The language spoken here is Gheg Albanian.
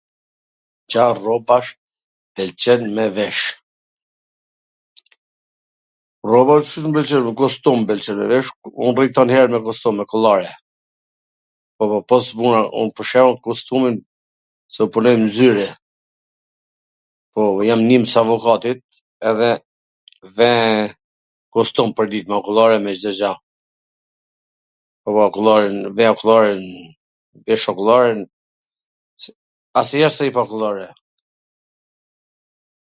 Ca rrobash pwlqen me vesh? Rrobat si s mw pwlqejn, kostum m pwlqen me vesh, me kostum me kollare, po, po, po s vuna un pwr shwmbull kostumin se un punoj nw zyr, e, po, un jam nims avokatit, edhe ve kostum pwrdit, me kolllare me Cdo gja, po, po, kollaren, ve kollaren, vesha kollaren, asnjwher s rri pa kollare.